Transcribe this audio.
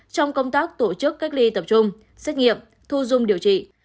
trong công tác tổ chức cách ly tập trung xét nghiệm thu dung điều trị